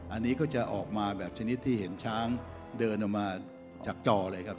อันนี้ก็จะออกมาแบบชนิดที่เห็นช้างเดินออกมาจากจอเลยครับ